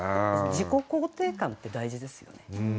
自己肯定感って大事ですよね。